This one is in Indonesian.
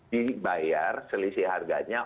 dibayar selisih harganya